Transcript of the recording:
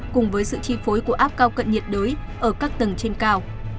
cùng với sự chi phối của áp cao cận nhiệt đới ở các tầng trên cao